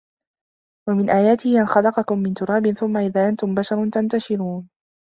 وَمِن آياتِهِ أَن خَلَقَكُم مِن تُرابٍ ثُمَّ إِذا أَنتُم بَشَرٌ تَنتَشِرونَ